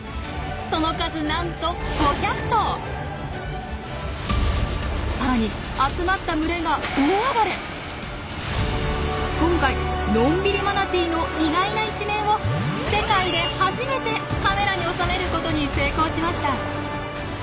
その数なんとさらに集まった群れが今回のんびりマナティーの意外な一面を世界で初めてカメラに収めることに成功しました！